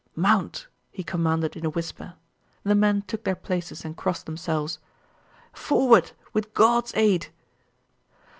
"Mount!" he commanded in a whisper. The men took their places and crossed themselves.... "Forward, with God's aid!"